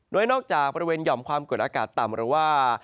โดยนอกจากบริเวณหย่อมความกดอากาศต่ำหรือว่า